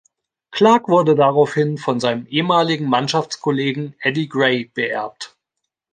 Clarke wurde daraufhin von seinem ehemaligen Mannschaftskollegen Eddie Gray beerbt.